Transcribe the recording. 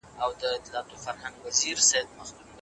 ایا تکړه پلورونکي چارمغز صادروي؟